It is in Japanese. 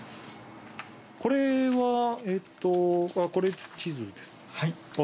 これはえっとこれ地図ですね。